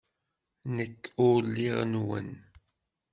Nekk ur lliɣ nwen.